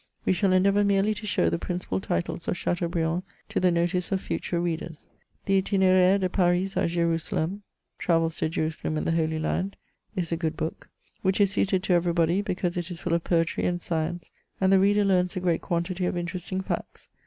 We shall endea vour merely to show the principal titles of Chateaubriand to the notice of future readers. The Jtin&aire de Paris a Jerusalem (Travels to Jerusalem and the Holy Land) is a good book, which is suited to every body, because it is full of poetry and science, and the reader learns a great quantity of interesting facts.